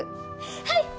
はい！